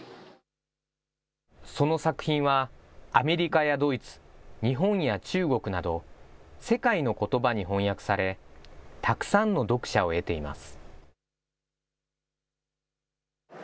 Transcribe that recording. その作品は、アメリカやドイツ、日本や中国など、世界のことばに翻訳され、たくさんの読者を得ています。